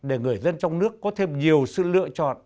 để người dân trong nước có thêm nhiều sự lựa chọn